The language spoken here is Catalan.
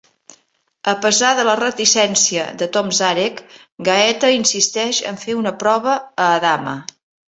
A pesar de la reticència de Tom Zarek, Gaeta insisteix en fer una prova a Adama.